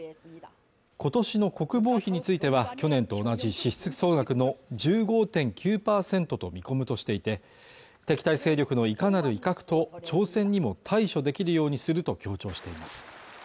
今年の国防費については去年と同じ支出総額の１５．９％と見込むとしていて敵対勢力のいかなる威嚇と挑戦にも対処できるようにすると強調しています